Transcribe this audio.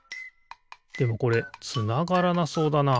でもこれつながらなそうだな。